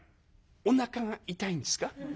「おなかが痛いんですか？」。